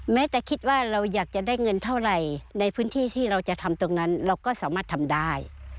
แม้แต่คิดว่าเราอยากจะได้เงินเท่าไหร่ในพื้นที่ที่เราจะทำตรงนั้นเราก็สามารถทำได้